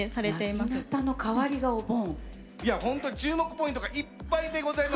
いやほんと注目ポイントがいっぱいでございます。